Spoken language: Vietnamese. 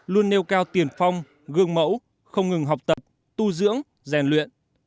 luôn nêu cao tiền phong gương mẫu không ngừng học tập tu dưỡng rèn luyện